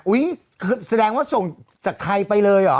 แสดงว่าส่งจากไทยไปเลยเหรอ